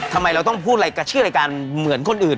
ทำไมเราต้องพูดอะไรกับชื่อรายการเหมือนคนอื่น